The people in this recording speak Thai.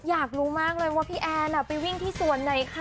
อยากรู้มากเลยว่าพี่แอนไปวิ่งที่สวนไหนคะ